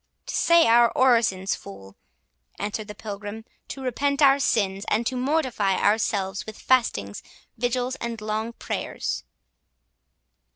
"To say our orisons, fool," answered the Pilgrim, "to repent our sins, and to mortify ourselves with fastings, vigils, and long prayers."